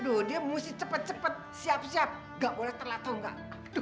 aduh dia mesti cepet cepet siap siap gak boleh terlalu enggak